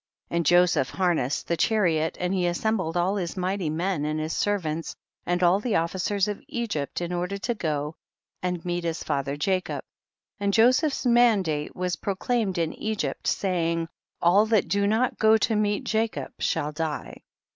7. And Joseph harnessed the cha riot, and he assembled all his mighty men and his servants and all the of ficers of Egypt in order to go and meet his father Jacob, and Joseph's mandate was proclaimed in Egypt, saying, all that do not go to meet Ja cob shall die.